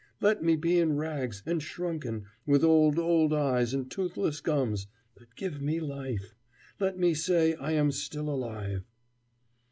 Let me be in rags, and shrunken, with old, old eyes and toothless gums, but give me life! Let me say I am still alive!